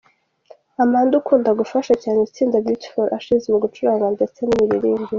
Amanda ukunda gufasha cyane itsinda Beauty for Ashes mu gucuranga ndetse n'imiririmbire.